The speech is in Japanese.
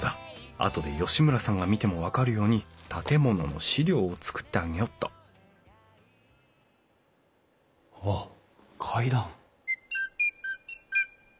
あとで吉村さんが見ても分かるように建物の資料を作ってあげよっとあっ階段。